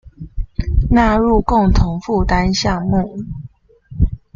納入共同負擔項目